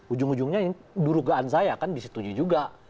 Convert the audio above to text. ujung ujungnya ini durugaan saya kan disetujui juga